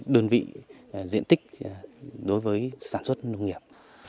đơn vị diện tích đối với sản xuất nông nghiệp